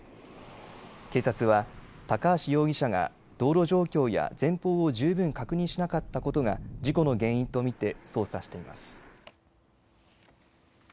警察は高橋容疑者が道路状況や前方を十分確認しなかったことが事故の原因と見て捜査しています。